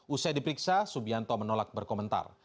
usai diperiksa subianto menolak berkomentar